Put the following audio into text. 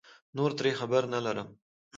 نور ترې خبر نه لرم